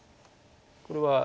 これは。